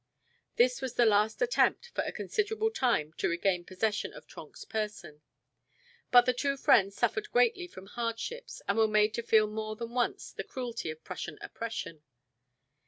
This was the last attempt for a considerable time to regain possession of Trenck's person. But the two friends suffered greatly from hardships and were made to feel more than once the cruelty of Prussian oppression.